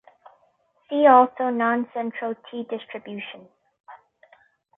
See also noncentral t-distribution.